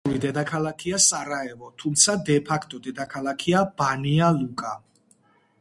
ოფიციალური დედაქალაქია სარაევო, თუმცა დე ფაქტო დედაქალაქია ბანია-ლუკა.